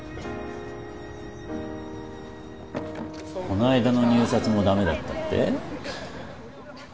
この間の入札も駄目だったって？